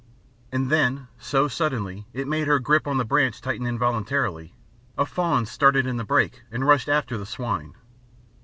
And then, so suddenly it made her grip on the branch tighten involuntarily, a fawn started in the brake and rushed after the swine.